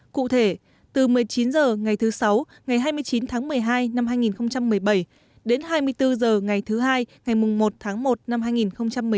cụ thể từ một mươi chín h ngày thứ sáu ngày hai mươi chín tháng một mươi hai năm hai nghìn một mươi bảy đến hai mươi bốn h ngày thứ hai ngày một tháng một năm hai nghìn một mươi chín